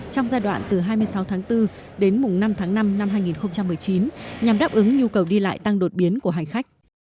trong giai đoạn từ hai mươi sáu tháng bốn đến mùng năm tháng năm năm hai nghìn một mươi chín nhằm đáp ứng nhu cầu đi lại tăng đột biến của hành khách